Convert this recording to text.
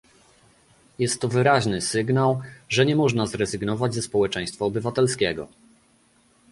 Jest to wyraźny sygnał, że nie można rezygnować ze społeczeństwa obywatelskiego